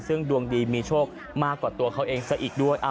ซึ่งดวงดีมีโชคมากกว่าตัวเขาเองซะอีกด้วย